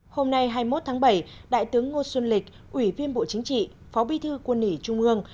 hôm nay hai mươi một tháng bảy đại tướng ngô xuân lịch ủy viên bộ chính trị phó bi thư quân ủy trung ương